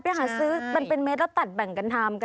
ไปหาซื้อมันเป็นเม็ดแล้วตัดแบ่งกันทำ